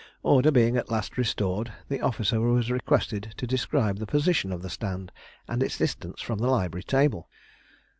Order being at last restored, the officer was requested to describe the position of the stand, and its distance from the library table.